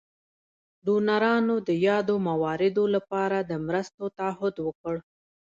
ډونرانو د یادو مواردو لپاره د مرستو تعهد وکړ.